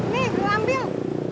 nih lu ambil